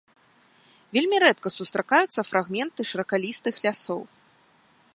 Вельмі рэдка сустракаюцца фрагменты шыракалістых лясоў.